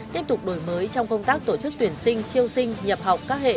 tiếp tục đổi mới trong công tác tổ chức tuyển sinh triêu sinh nhập học các hệ